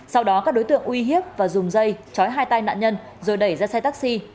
sau đó các đối tượng uy hiếp và dùng dây chói hai tay nạn nhân rồi đẩy ra xe taxi